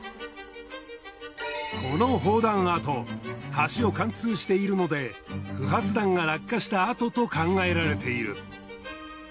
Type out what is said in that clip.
この砲弾跡橋を貫通しているので不発弾が落下した跡と考えられている。